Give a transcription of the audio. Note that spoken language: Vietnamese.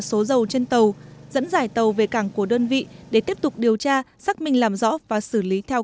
số dầu trên tàu dẫn dải tàu về cảng của đơn vị để tiếp tục điều tra xác minh làm rõ và xử lý theo